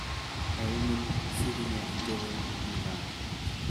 A woman sitting at a table in a bar.